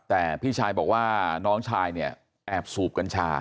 แต่พี่ชายบอกว่าน้องชายเนี่ยแอบสูบกัญชา